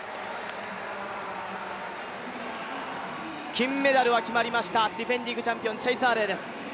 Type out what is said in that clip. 金メダルは決まりました、ディフェンディングチャンピオンチェイス・アーレイです。